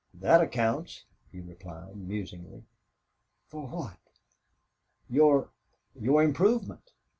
"That accounts," he replied, musingly. "For what?" "Your your improvement.